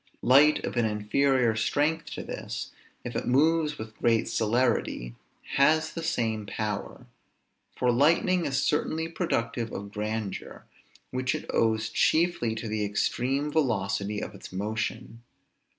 Light of an inferior strength to this, if it moves with great celerity, has the same power; for lightning is certainly productive of grandeur, which it owes chiefly to the extreme velocity of its motion.